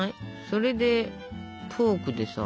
それでフォークでさ。